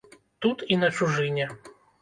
Тут і на чужыне.